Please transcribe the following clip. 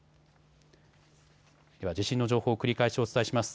では地震の情報を繰り返しお伝えします。